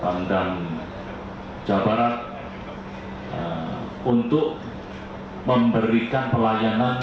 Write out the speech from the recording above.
pangdam jawa barat untuk memberikan pelayanan